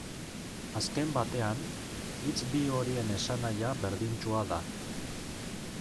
Azken batean, hitz bi horien esanahia berdintsua da.